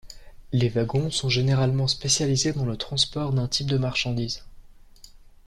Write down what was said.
Les wagons sont généralement spécialisés dans le transport d'un type de marchandise.